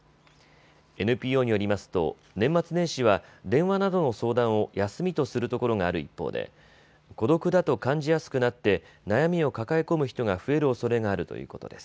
ＮＰＯによりますと年末年始は電話などの相談を休みとするところがある一方で孤独だと感じやすくなって悩みを抱え込む人が増えるおそれがあるということです。